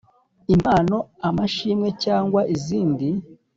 Impano amashimwe cyangwa izindi